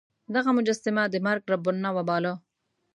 دغه مجسمه د مرګ رب النوع باله.